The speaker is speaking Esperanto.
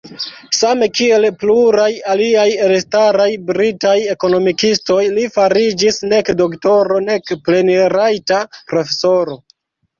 Same kiel pluraj aliaj elstaraj britaj ekonomikistoj, li fariĝis nek doktoro nek plenrajta profesoro.